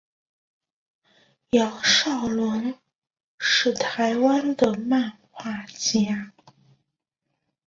杨邵伦是台湾的漫画家。